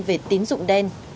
về tín dụng đen